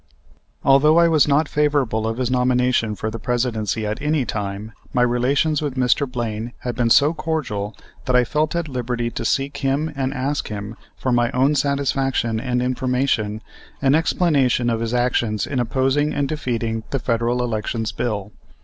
Although I was not favorable to his nomination for the Presidency at any time, my relations with Mr. Blaine had been so cordial that I felt at liberty to seek him and ask him, for my own satisfaction and information, an explanation of his action in opposing and defeating the Federal Elections Bill.